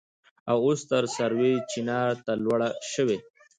او اوس تر سروې چينار ته لوړه شوې.